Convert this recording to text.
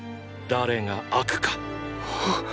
誰が悪か。！